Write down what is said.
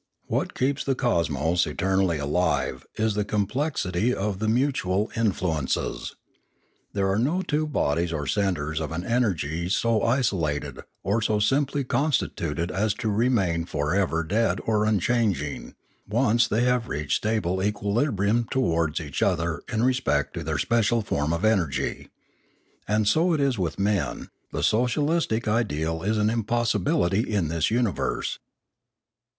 What keeps the cosmos eternally alive is the complexity of the mutual influences. There are no two bodies or centres of an energy so iso lated or so simply constituted as to remain for ever dead or unchanging, once they have reached stable equilibrium towards each other in respect to their special form of energy. And so it is with men; the socialistic ideal is an impossibility in this universe.